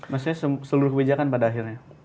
maksudnya seluruh kebijakan pada akhirnya